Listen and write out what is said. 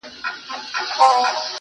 ليري له بلا سومه، چي ستا سومه.